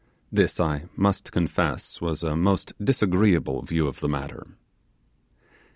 This, I must confess, was a most disagreeable view of the matter.